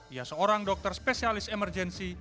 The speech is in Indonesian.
ia seorang dokter spesialis emergensi